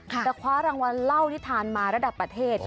แต่คว้ารางวัลเหล้าที่ทานมาระดับประเทศ